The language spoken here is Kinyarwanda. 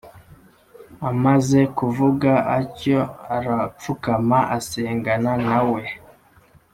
Amaze kuvuga atyo arapfukama asengana nawe